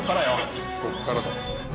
ここからだ。